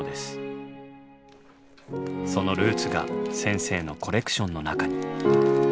そのルーツが先生のコレクションの中に。